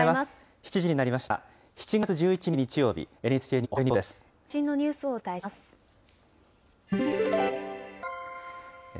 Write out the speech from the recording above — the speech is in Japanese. ７月１１日日曜日、最新のニュースをお伝えします。